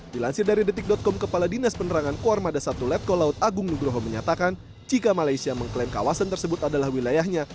dilansir dari detik com kepala dinas penerangan kuarmada satu letko laut agung nugroho menyatakan jika malaysia mengklaim kawasan tersebut adalah wilayahnya